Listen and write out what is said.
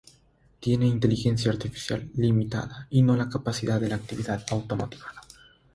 Tiene inteligencia artificial limitada, y no la capacidad de la actividad auto-motivada.